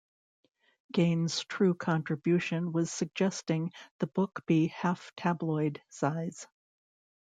Gaines' true contribution was suggesting the book be half-tabloid size.